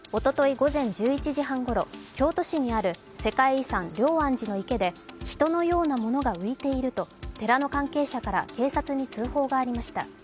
午前１１時ごろ、京都市にある世界遺産・龍安寺の池で人のようなものが浮いていると寺の関係者から警察に通報がありました。